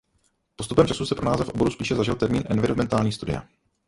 Postupem času se pro název oboru spíše zažil termín Environmentální studia.